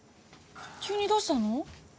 急にどうしたの？